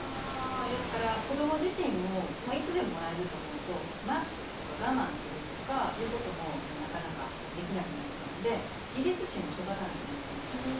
ですから子ども自身もいつでももらえると思うと待つとか我慢するとかいうこともなかなかできなくなっちゃうので自律心も育たなくなっちゃうんですよ。